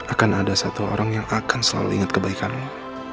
akan ada satu orang yang akan selalu ingat kebaikanmu